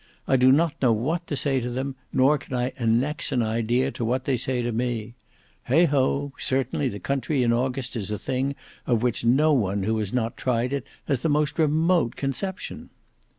I do not know what to say to them, nor can I annex an idea to what they say to me. Heigho! certainly the country in August is a thing of which no one who has not tried it has the most remote conception."